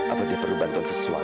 apakah dia perlu bantu saya